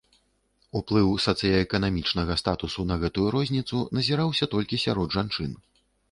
Уплыў сацыяэканамічнага статусу на гэтую розніцу назіраўся толькі сярод жанчын.